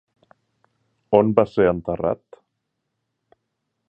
On va ser enterrat?